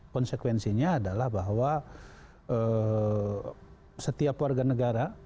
konsekuensinya adalah bahwa setiap warga negara